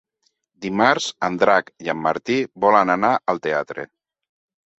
Dimarts en Drac i en Martí volen anar al teatre.